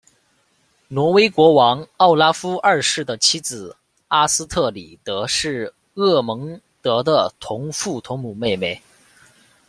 挪威国王奥拉夫二世的妻子阿斯特里德是厄蒙德的同父同母妹妹。